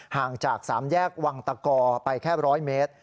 ห่างจาก๓แยกวังตะกอไปแค่๑๐๐เมตร